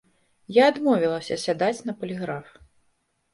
Я адмовілася сядаць на паліграф.